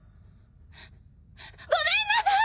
ごめんなさい！